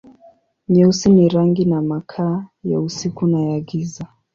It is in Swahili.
Nyeusi ni rangi na makaa, ya usiku na ya giza.